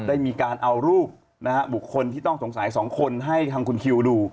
ได้มีการเอารูปบุคคลที่ต้องสงสัย๒คนให้ทางคุณคิวดู